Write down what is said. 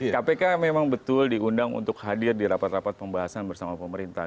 kpk memang betul diundang untuk hadir di rapat rapat pembahasan bersama pemerintah